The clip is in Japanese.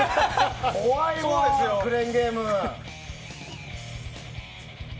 怖いわ、クレーンゲーム。